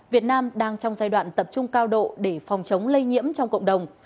việt nam đang trong giai đoạn tập trung cao độ để phòng chống lây nhiễm trong cộng đồng